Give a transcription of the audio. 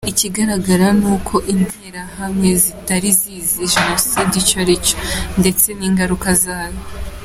Ikigaragara ni uko interahamwe zitari zizi genocide icyo ari cyo, ndetse n’ingaruka zayo.